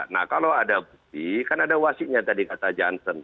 nah kalau ada bukti kan ada wasitnya tadi kata jansen